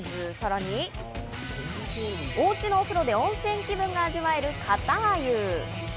さらに、おうちのお風呂で温泉気分が味わえる、かたゆ。